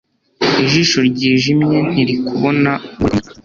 ijisho ryijimye ntirikubona uwo rikunda